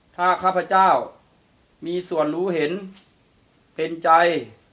ถ้าข้าพเจ้ามีส่วนรู้เห็นเป็นใจ